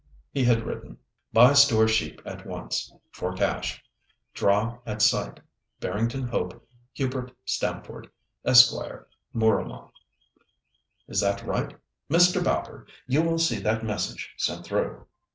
He had written: "Buy store sheep at once—for cash. Draw at sight.—BARRINGTON HOPE.—HUBERT STAMFORD, Esq., Mooramah." "Is that right? Mr. Bowker, you will see that message sent through."